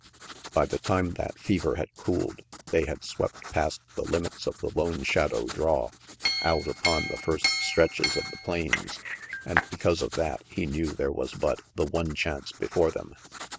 By the time that fever had cooled, they had swept past the limits of the Lone Shadow draw, out upon the first stretches of the plains, and because of that, he knew there was but lie one chance before them.